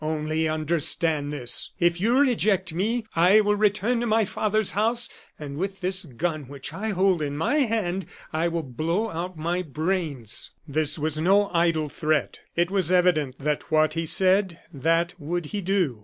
Only understand this: if you reject me, I will return to my father's house, and with this gun which I hold in my hand I will blow out my brains." This was no idle threat. It was evident that what he said, that would he do.